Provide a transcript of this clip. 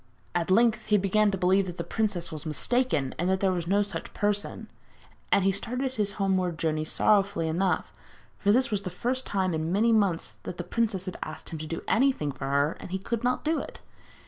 At length he began to believe that the princess was mistaken, and that there was no such person; and he started on his homeward journey sorrowfully enough, for this was the first time for many months that the princess had asked him to do anything for her and he could not do it.